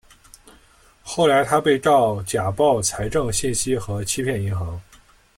后来他被告假报财政信息和欺骗银行。